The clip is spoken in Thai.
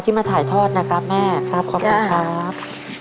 มาถ่ายทอดนะครับแม่ครับขอบคุณครับ